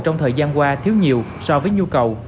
trong thời gian qua thiếu nhiều so với nhu cầu